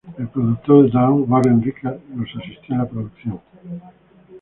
El productor de Down, Warren Riker, los asistió en la producción.